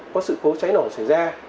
có sự cố cháy nổ xảy ra